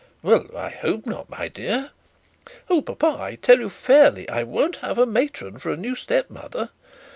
'Well, I hope not, my dear.' 'Oh, papa, I tell you fairly. I won't have a matron for a new step mother.'